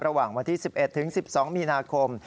ระหว่างวันที่๑๑ถึง๑๒มีนาคม